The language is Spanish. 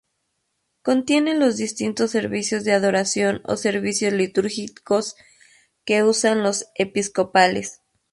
Contiene los distintos servicios de adoración o servicios litúrgicos que usan los episcopales.